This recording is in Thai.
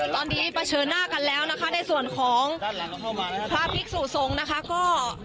ตอนนี้เผชิญหน้ากันแล้วนะคะในส่วนของพระภิกษุสงฆ์นะคะก็